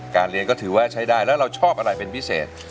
เรียนก็ถือว่าใช้ได้แล้วเราชอบอะไรเป็นพิเศษ